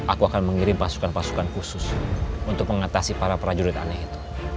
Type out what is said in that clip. aku akan mengirim pasukan pasukan khusus untuk mengatasi para prajurit aneh itu